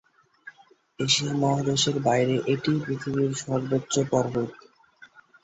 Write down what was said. Asia মহাদেশের বাইরে এটিই পৃথিবীর সর্বোচ্চ পর্বত।